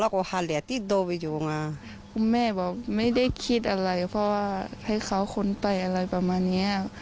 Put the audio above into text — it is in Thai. คุณแม่บอกไม่ได้คิดอะไรเพราะว่าให้เขาคนไปอะไรประมาณนี้